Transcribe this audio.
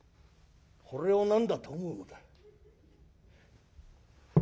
これを何だと思うのだ」。